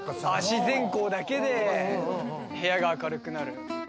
自然光だけで部屋が明るくなる。